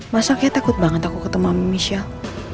masa kaya takut banget aku ketemu michelle